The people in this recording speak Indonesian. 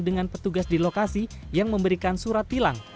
dengan petugas di lokasi yang memberikan surat tilang